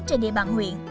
trên địa bàn huyện